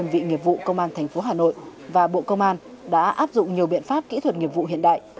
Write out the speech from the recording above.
các đơn vị nghiệp vụ công an thành phố hà nội và bộ công an đã áp dụng nhiều biện pháp kỹ thuật nghiệp vụ hiện đại